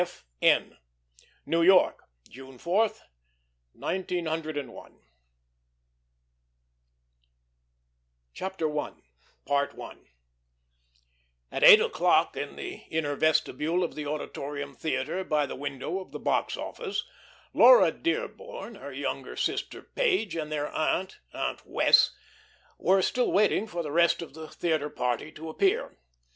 F. N. NEW YORK June 4, 1901. I At eight o'clock in the inner vestibule of the Auditorium Theatre by the window of the box office, Laura Dearborn, her younger sister Page, and their aunt Aunt Wess' were still waiting for the rest of the theatre party to appear.